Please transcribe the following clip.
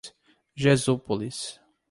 Jesúpolis